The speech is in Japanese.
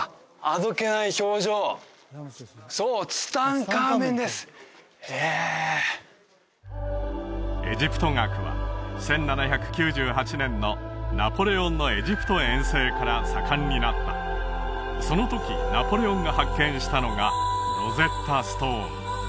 あどけない表情そうツタンカーメンですへえエジプト学は１７９８年のナポレオンのエジプト遠征から盛んになったその時ナポレオンが発見したのがロゼッタ・ストーン